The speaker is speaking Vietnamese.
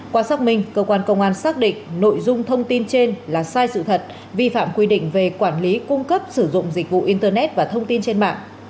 qua xác minh cơ quan công an xác định nội dung thông tin trên là sai sự thật vi phạm quy định về quản lý cung cấp sử dụng dịch vụ internet và thông tin trên mạng